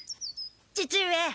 父上。